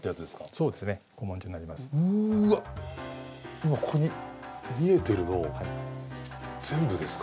今ここに見えてるの全部ですか？